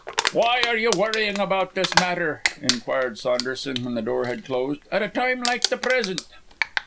"Why are you worrying about this matter," inquired Saunderson, when the door had closed, "at a time like the present?"